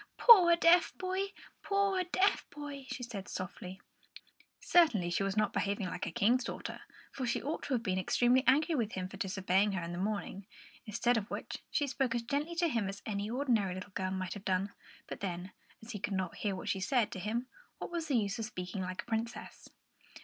"Poor deaf boy! poor deaf boy!" she said softly. Certainly she was not behaving like a King's daughter, for she ought to have been extremely angry with him for disobeying her in the morning, instead of which she spoke as gently to him as any ordinary little girl might have done. But then, as he could not hear what she said to him, what was the use of speaking like a princess?